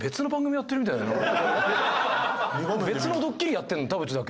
別のドッキリやってるの田渕だけ。